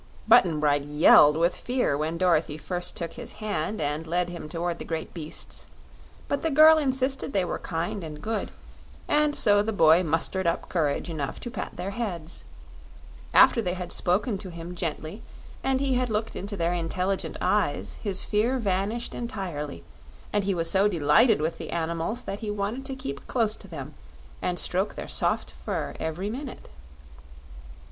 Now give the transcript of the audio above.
Button Bright yelled with fear when Dorothy first took his hand and led him toward the great beasts; but the girl insisted they were kind and good, and so the boy mustered up courage enough to pat their heads; after they had spoken to him gently and he had looked into their intelligent eyes his fear vanished entirely and he was so delighted with the animals that he wanted to keep close to them and stroke their soft fur every minute.